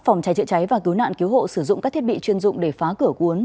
phòng cháy chữa cháy và cứu nạn cứu hộ sử dụng các thiết bị chuyên dụng để phá cửa cuốn